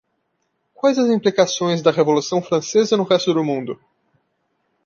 Quais as implicações da Revolução Francesa no resto do mundo?